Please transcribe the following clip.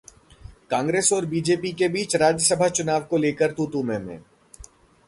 कांग्रेस और बीजेपी के बीच राज्यसभा चुनाव को लेकर तू-तू, मैं-मैं